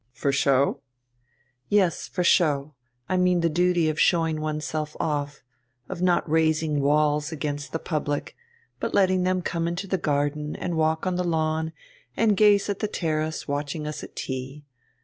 "For show?" "Yes, for show; I mean the duty of showing oneself off, of not raising walls against the public, but letting them come into the garden and walk on the lawn and gaze at the terrace, watching us at tea.